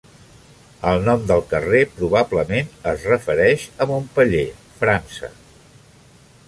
El nom del carrer probablement es refereix a Montpellier, França.